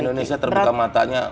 indonesia terbuka matanya